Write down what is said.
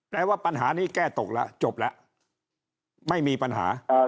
ว่าปัญหานี้แก้ตกแล้วจบแล้วไม่มีปัญหา